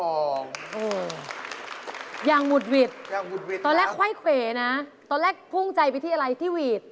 โอ้โฮอย่างหมุดหวีดตอนแรกค่อยเก๋นะตอนแรกพรุ่งใจไปที่อะไรที่หวีด